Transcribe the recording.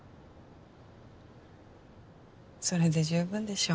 それで十分でしょ。